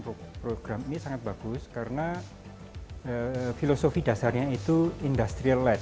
program ini sangat bagus karena filosofi dasarnya itu industrialized